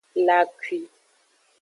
La akwi.